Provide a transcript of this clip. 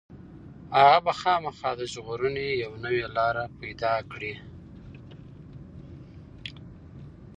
هغه به خامخا د ژغورنې یوه نوې لاره پيدا کړي.